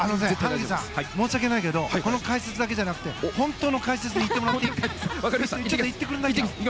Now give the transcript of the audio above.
萩野さん、申し訳ないけどこの解説だけじゃなくて本当の解説に行ってもらっていい？行きます。